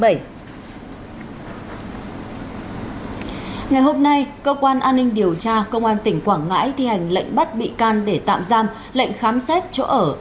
ngày hôm nay cơ quan an ninh điều tra công an tỉnh quảng ngãi thi hành lệnh bắt bị can để tạm giam lệnh khám xét chỗ ở